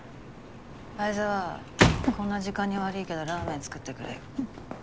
愛沢こんな時間に悪ぃけどラーメン作ってくれよ。